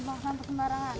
nggak mau sampai kembarangan